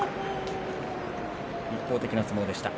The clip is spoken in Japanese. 一方的な相撲でした。